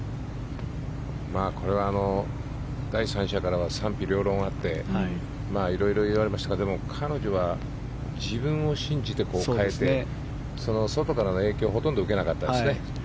これは第三者からは賛否両論あって色々言われましたがでも、彼女は自分を信じて変えて外からの影響をほとんど受けなかったですね。